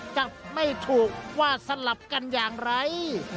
จับไม่ถูกว่าสลับกันอย่างไร